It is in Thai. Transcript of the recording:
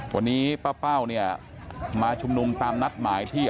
วันนี้ป้าเป้าเนี่ยมาชุมนุมตามนัดหมายที่